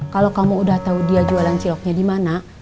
kalau kamu udah tahu dia jualan ciloknya di mana